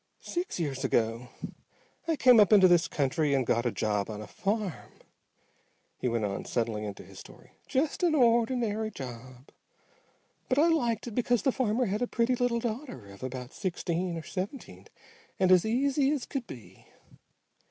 "Six years ago I came up into this country and got a job on a farm," he went on, settling into his story. "Just an ordinary job. But I liked it because the farmer had a pretty little daughter of about sixteen or seventeen and as easy as could be.